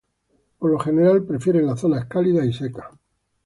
Por lo general, prefieren las zonas cálidas y secas.